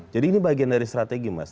jadi ini bagian dari strategi mas